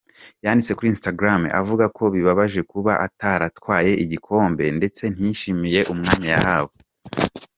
Yanditse kuri Instagram avuga ko ‘bibabaje kuba ataratwaye igikombe ndetse ntiyishimiye umwanya yahawe’.